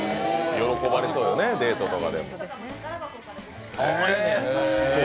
喜ばれそうよね、デートとかで。